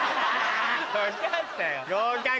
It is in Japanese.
分かったよ合格。